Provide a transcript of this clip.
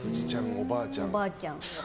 おばあちゃん。